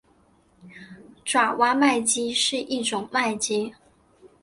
爪哇麦鸡是一种麦鸡。